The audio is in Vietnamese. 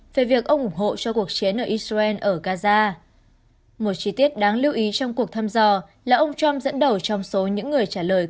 về việc ông ủng hộ cho cuộc chiến ở israel ở gaza một chi tiết đáng lưu ý trong cuộc thăm dò là